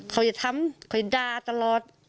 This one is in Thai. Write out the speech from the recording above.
เขาจะทำเขาจะด่าตลอด